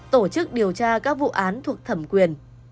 tổ chức điều tra các vụ án thuộc thẩm quyền